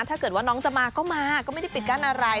ถ้าเกิดว่าน้องจะมาก็มาก็ไม่ได้ปิดกั้นอะไร